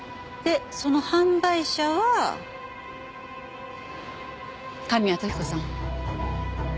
でその販売者は神谷時子さん